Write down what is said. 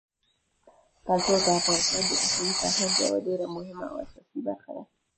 کلتور د افغانستان د بشري فرهنګ یوه ډېره مهمه او اساسي برخه ده.